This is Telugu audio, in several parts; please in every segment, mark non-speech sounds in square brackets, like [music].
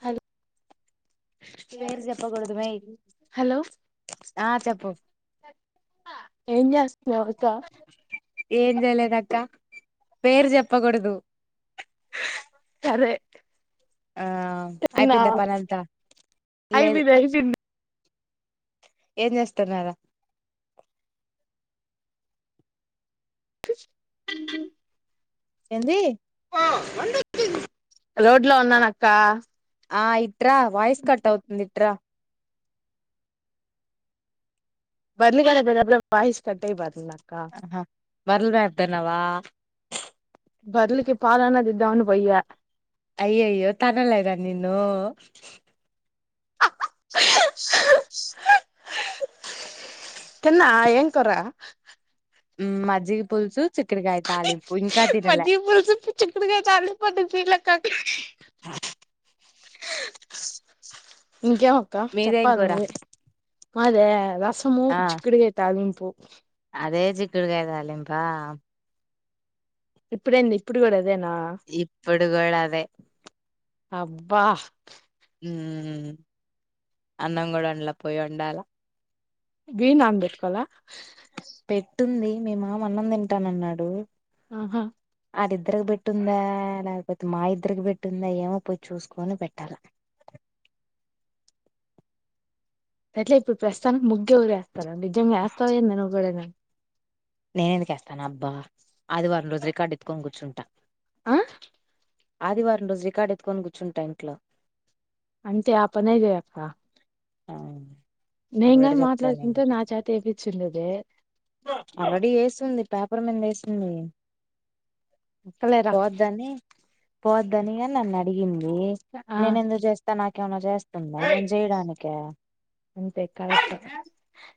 హలో హలో ఆ చెప్పు ఏం చేస్తున్నా ఒకక ఏం చేయలేదక్క పేరు చెప్పకూడదు అరే ఆ అయిపోయింద పనింతా అయి లేదు మీద అయిపోంది ఏం చేస్తున్నారా [inaudible] ఏంది రోడ్ లో ఉన్నానక్క ఆ ఇట్రా వయిస్ కట్తవుతుంద ఇట్రా బందగద వాయిస్ కట్టే బర్ నా హా మర్ల్మ అదనవా బర్లికి పాలనా అదిద్దాను పయ అయ్యో అయ్యో తనల ఇరా నిను [inaudible] తన్నా ఏంకురా మాజీ పోల్చు మధీ బల్స ప చక్కడగాతేల పలక్కక [inaudible] ఇంకేమ ఒక్క మీదేం చెప్పాలి కూర నువ్వి మాదే రసము ఆ చిక్కుడుగా అవుతం అదే చికుడుకాయదాలింప ఇప్పుడడి ఇప్పుడు కూడాది ఇప్పుడుగ అదే అబ్బా అన్నం కూడా వండలా పోయి వండాల బీయ్యమ్ నన పెట్టల పెట్టుంది మీ మామ అన్నం తింటాన అన్నాడు ఆహా వాడిద్దరికి పెట్టుందా లేకపోతే మా ఇద్దరికి పెట్టిందా ఏమో పోయి చూసుకని పెట్టాల [inaudible] అట్లే ఇప్పుడు ప్రస్తుాం ముగ్గు ఊరు వేస్తారు నిజం వేస్తాయ నువ్వు కూడా న నేన ఎందుకుేస్తాను అబ్బా ఆదివారం రోజు రికార్డు ఎత్తుకొని కూర్చుంటా ఆ ఆదివారం రోజు రికార్డు ఎత్తుకొని కూర్చుంటా ఇంట్లో అంటే ఆ పనే చేస్తా ఆ నేను కానీ మాట్లాడుతుంట నా చేత ఏపచ్చి ఉండేదే రెడీ వేస్తుంది పేపర్ మీద వేస్తుంది అక్కలేరా పోద్దని పోద్దనిగా నన్ను అడిగిండు ఆ నేన ఎందుకు చేస్తా నాకేమన్నా చేస్తుందా నేను చేయడానికే అంతే కరెక్ట్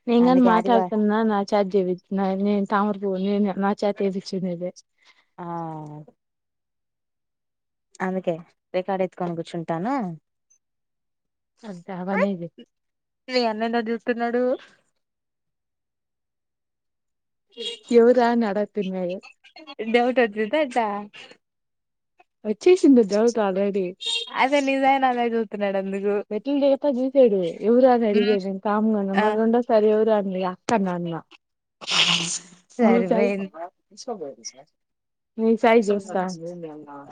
నేను గానీ అందుకే ఆదివారం మాట్లాడుతున్న నా చెత్త చేపిం నా నేను తామ్రపుూ నేను నా చేతే ఎపించేది ఆ అందుకే రికార్డు ఎత్తుకొని కూర్చుంటాను అంతే ఆ పనే మీ అన్న ఏటో స్తున్నాడు చెయ్ ఎవరా అని అడగతున్నాడు డౌట్ వచ్చిందా ఎట్ట వచేసింటుంది డౌట్ ఆల్రెడీ నా చూస్తారు బెట్ల ద అా దిసడు ఇవరు అ మ్మ్ అడిగే తా గ ఆ మర రండో సారి ఎవరు అ మీ అక్కన్నా అ ఆ [unintelligible]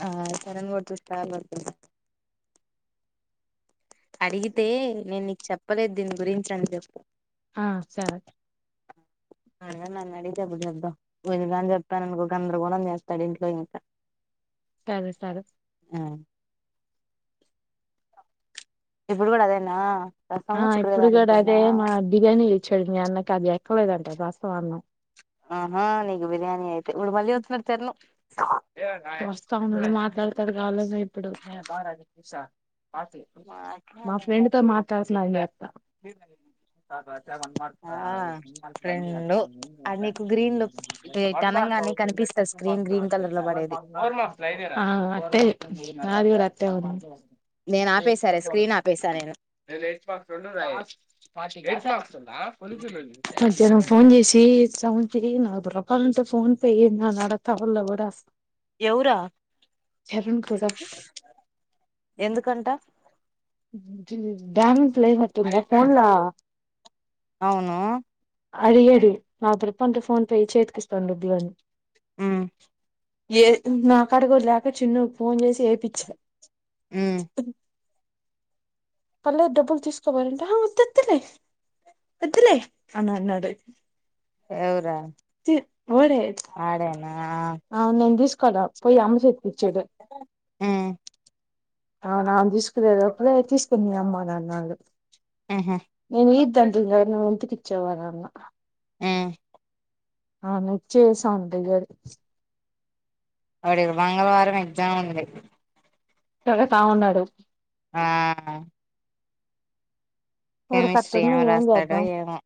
ఆ చరంగా [unintelligible] బర్తుంది అడిగితే నేను నీకు చెప్పలేదు దీని గురించి అనీ చెప్పు ఆ సరే ఆ అదే నన్న అడిగీతే అపుడు చేద్దాం విను కాని చెప్పాను అనుకో గందరగం చేస్తాడు ఇంట్లో ఇంకా [inaudible] సరే సరే ఆ ఇప్పుడు కూడా అదేనా ఆ రసము చిక్కుడుకాయ ఇప్పుడు కూడా తాలింపేనా అదే మా బిర్యానీ ఇచ్చాడు మీ అన్నకు అది ఎక్కలేదంట రసం అన్నం ఆహా నీకు బిర్యానీ అయితే ఇప్పుడు మళ్ళీ వస్తున్నాడు తెరను వస్తా ఉండడు మాట్లాడతాడు కావాల ఇప్పుడు మా ఫ్రెండ్ తో మాట్లాడలా మీ అత్త వ ఆ రెండు మార్ కానీ కనిపిస్తా స్్రీన్ గ్రీన్ కలర్ లో పడేది అ అంతే నాది కూడా అటనీ వుంది నేను ఆపేశారా స్క్రీన్ ఆపేశాను నట్ పాక రా మధ్యానం ఫోన్ చేసి ఉంచి న రూపాయలు ఉంటే ఫోన్ పే ఉందా అని అడతావల్ కూడాస్త ఎవరు కూడా ఎందుకంట డ్యాన్స్ లేనట్టు ఉందా ఫోన్ల అవును అడిగాడు నా తప్ప అంటే ఫోన్ పే చేతికిసతను ుబ్లోని హ్మ్ ఏ నా కాడకూడా లేక చిన్న ఫోన్ చేసి ఎపిచ్చ ఉమ్ పర్లేదు డబ్బులు తీసుకోవాలంట ఆ వద్ద వద్దలే వద్దులే అని అన్నడు ఎవుర చి ఓడే అవునేన్ దీస్ కదా పో అమ్మ చెతికిచ్చేదే ఉమ్ అవునాను తీసుకునే లోపలే తీసుకుంది అమ్మా నాన్నాల్లు ఉహు నేను ఈద్ తండ్రింగా నువ్ ఎంతకీచ్చావ్ అని అన్న ఉమ్ ఆనుచ్చే సందిగడు వాడికి మంగళవారం ఎగ్జామ్ ఉంది పెడతా ఉన్నాడు ఆ ఉమ్ వాడికి కెమిస్ట్రీ అట్టుంది ఏమి ఏం రాస్తాడో చేద్దాం ఏమో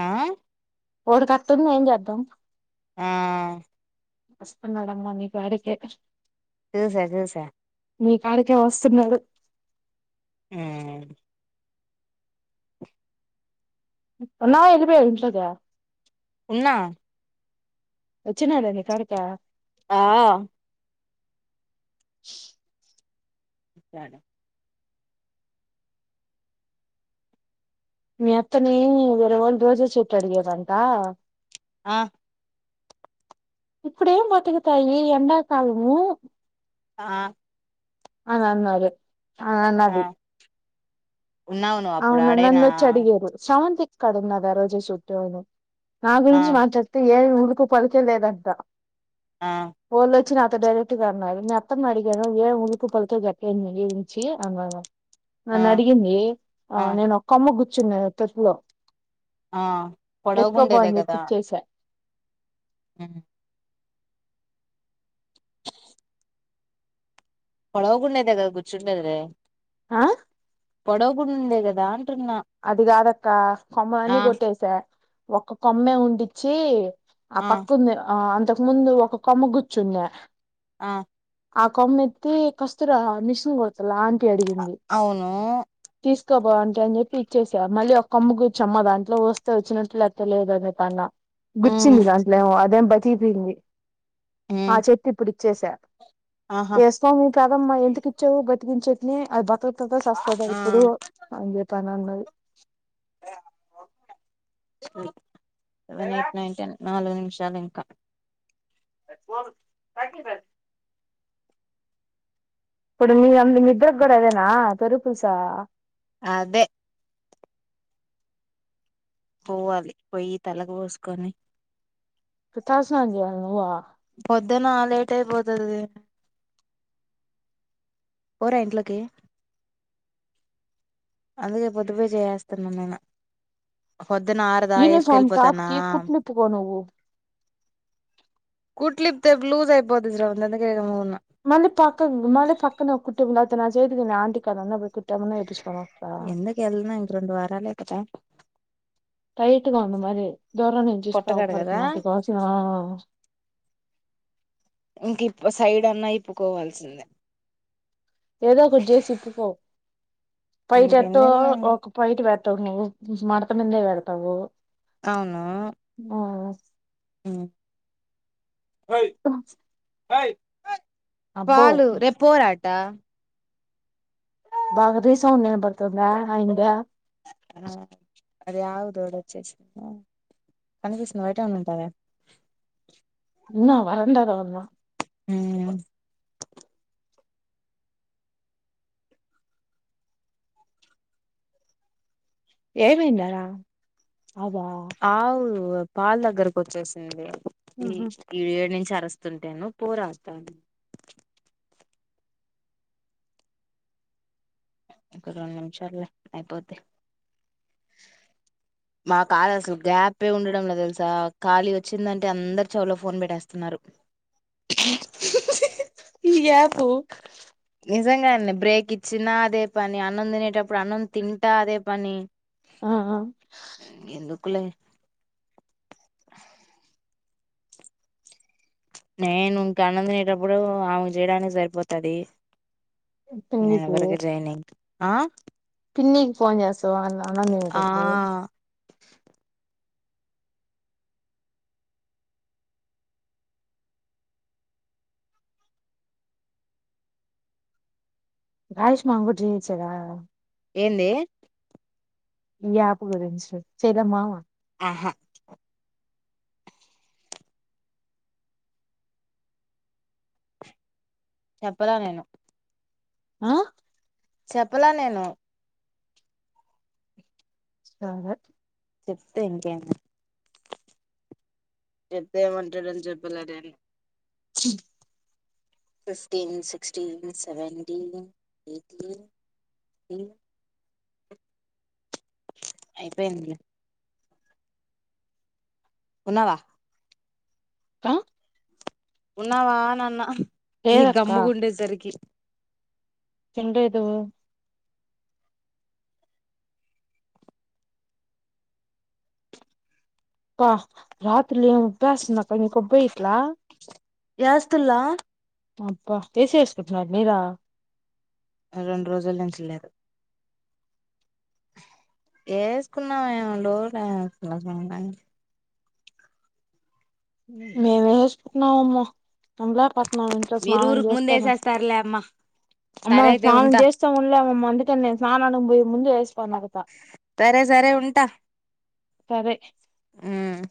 ఆ వాడికి కట్టుంది ఏం చేద్దాం ఆ వస్తున్నాడమ్మా మీకాడికె చూసా చూసా మీ కాడికే వస్తున్నాడు ఉమ్ వున్నావ్ ఎల్లిపోయావ్ ఇంట్లోకే ఉన్నా వచ్చినదా మీ కాడిక ఆ వాడా మీ అత్తని వేరే వాళ్ళు రోజ చెట్ అడిగరంట ఆ ఇప్పుడేం బతుకుతాయి ఇ ఎండాకాలము ఆ అనన్నారు ఆ అన్నది ఉన్నావు నువ్వు అప్పుడు అవునా ఆడేనా నన్నచ్చి అడిగారు స్రవంతి క్కడున్నద రోజ చెట్టు అని నా ఆ గురించి మాట్లాడితే ఏ ఉలుకు పలికే లేదంట ఆ వాళ్ళు నాతో డైరెక్ట్ గా అన్నారు మీ అత్తమ్మ ను అడిగాను ఏ ఉలికు పలికె చెప్పలేదు నీనుంచి అన్నాను ఆ నన్న డిగింది ఆ నేను ఒక్కమ్మ కూర్చున్నా తొట్టిలో ఆ ఎసుకోపో పొడవుగుండేదే అని చెప్పి ఇచ్చేసా ఉమ్ పొడవగుండేదే కదా గుచ్చుండేది ఆ పొడవ గు ఉందే కదా అంటున్నా అది కాదక్క ఆ కొమ్మలన్ని కొట్టేసా ఒక్క కొమ్మే ఉండించి ఆ పక్కుంది ఆ అంతకు ముందు ఒక కొమ్మ గుర్చుందా ఆ ఆ కొమ్మ ఎత్తి కస్తరా మిషన్ కొడతల ఆంటీ అడిగింది అవును తీస్ కపొ ఆంటీ అని చెప్ ప్పి ఇచ్చేసా మళ్ళీ ఒక్కమ్ము కూర్చమ్మ దాంట్లో వస్తే వచ్చినట్లు లేపో లేదు అని చెప్పి అన్న మ్మ్ గుచ్చింది దంట్లోమో అదేం బతిపోంది ఆ మ్మ్ చెట్టు ఇప్పుడు ఇచ్చేసా ఆహా ఏస్నావేమో కాదమ్మా ఎందుకి ఇచ్చావు బతికిన చేట్ని అది బక్క అ సస్తదో ఆ ఇప్పుడు అని చెప్పని అన్నది సెవెన్ ఎయిట్ నైన్ టెన్ నాలుగు నిమిషాలు ఇంకా [unintelligible] బ్యాగి ప్యాంట్ ఇప్పుడు మీ అ నిద్రకు కూడా అదేనా తొరు పూసా అదే పోవాలి పోయి తలకు పోసుకొని ఇప్పుడు తల స్నానం చెయ్యాలా నువ్వు పొద్దన లేట్ అయిపోతది పొర ఇంట్లోకి అందుకే పొద్దుపే చేయేస్తున్న నేను పొద్దున ఆరుదా యూనిఫామ్ టాప్ ఎసుకెళ్ళిపోతానా కి కుట్లిప్పుకో నువ్వు కూట్లు ఇప్పుతే లూస్ అయిపోతది [unintelligible] అందుకే గమ్మున ఉన్న మళ్లి పక్కకు మళ్లి పక్కనే ఒక కుట్టిం ఎప్ అత న నా చేే ఆంటి కాడన్న పొయ్యి కుట్టు ఏమన్న ఏపిచుకు రావాలే ఎందు కెళ్ళిన ఇంక రొండు వారాలే కదా టైట్గా ఉంది మరి దూరం నుంచి చూస్తే పొట్టగాడు కదా అవుపడుతది అందుకోసం ఆ ఇంకిప్ సైడ్ అన్నా ఇప్పుకోవాల్సిందే ఏదో ఒకటి చేసి ఇప్పుకో పైట ఎట్టో ఇంకెన్నేళ్ళు ఒక పైట వెత్ తావ్ నువ్వు మడతా మిందే వెడతావ్ నువ్వు అవును మ్మ్ అబ్బో వాళ్ళు రేప్ పోరట బాగ రీ రిసౌండ్ ఇనపడుతుందా ఆయన ది ఆ అదే ఆవు తొలేది చేసిందా కనిపిస్తుంది బయటె ఉన్నింటాదే ఉన్నా వరండ లో ఉన్నా మ్మ్ ఏమైంది ఆడ అవు పాల్ దగ్గరకు వచ్చేసింది ఈ ఏడు నుంచి ఆ వస్తుంటెను పోరాడతాను ఒక రొండు నిమిషాలు లే అయిపొద్ది మకాళ్ళ అసలు గ్యాపే ఉండడం లే తెలుసా ఖాళీ వచ్చిందంటే అందరు చెవులో ఫోన్ పెట్టేస్తున్నారు [inaudible] యాపు నిజంగా అండి బ్రేక్ ఇచ్చినా అదే పనే అన్నం తినేటప్పుడు అన్నం తింటా అదే పని ఆ ఆ ఎందుకులే నేను ఇంకా అన్నం తినేటప్పుడు ఆమె కి చేయడానికి సరిపోతాది నేను ఎవ్వరికి చెయ్యను ఇంక ఆ పిన్నీకి ఫోన్ చేస్తావా అన్నం ఆ తినేటప్పుడు రాజేష్ మామ కూడా చేయొచ్చు కదా ఏందీ మ్మ్ యాపు గురించి చేదమ్మావా ఆహా చెప్పదా నేను ఆ చెప్పలా నేను సరే చెప్తే ఇంకేమి చెప్తే ఏమంటాడో అని చెప్పలే నేను మ్మ్ ఫస్టిన్ సిక్స్టీన్ సెవెంటీన్ ఎయిటీన్ మ్మ్ అయిపోయింది లే తిన్నావా కా ఉన్నావా అని అన్న లేదక్క [unintelligible] బ రాత్రిలో ఉబ్బెస్తుంది నీకు ఉబేయట్ల యాస్తుల్ల అబ్బా వస వేసుకుంటున్నార మీదా రెండు రోజుల నుంచి లేదు యేసుకున్న డౌట్ [unintelligible] మేమే చేస్తున్నమామ [unintelligible] ఇంకా మీరు స్నానం ఊరుకు చేస్తాను ముందేసేస్తారులే అమ్మా అమ్మా సరే అయితే స్నానం ఉంటా చేస్తాంలేమ్మా మండుతూ స్నానం పోయే ముందు [unintelligible] సరే సరే ఉంటా సరే ఉమ్